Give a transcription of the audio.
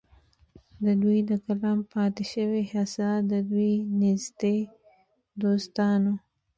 د دوي د کلام پاتې شوې حصه د دوي نزدې دوستانو